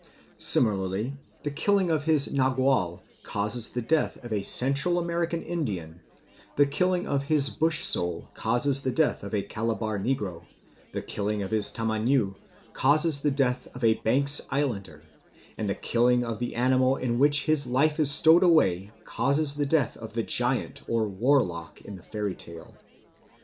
Similarly, the killing of his nagual causes the death of a Central American Indian, the killing of his bush soul causes the death of a Calabar negro, the killing of his tamaniu causes the death of a Banks Islander, and the killing of the animal in which his life is stowed away causes the death of the giant or warlock in the fairy tale.